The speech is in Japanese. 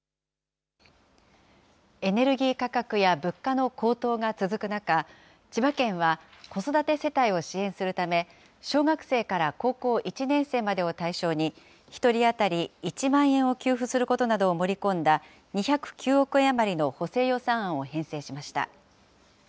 エネルギー価格や物価の高騰が続く中、千葉県は子育て世帯を支援するため、小学生から高校１年生までを対象に、１人当たり１万円を給付することなどを盛り込んだ、２０９億円余りの補正予算案を編成しました。